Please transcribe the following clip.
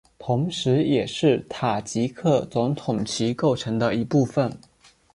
同时也是塔吉克总统旗构成的一部分